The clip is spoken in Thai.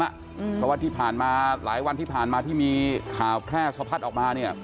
เพราะว่าที่ผ่านมาหลายวันที่ผ่านมาที่มีข่าวแพร่สะพัดออกมาเนี่ย